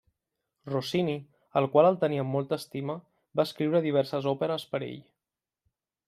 Rossini, el qual el tenia amb molta estima, va escriure diverses òperes per a ell.